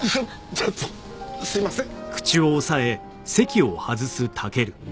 ちょっとすいません。